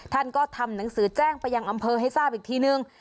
ท่านก็ทำหนังสือแจ้งไปยังอำเภอให้ทราบอีกทีนึง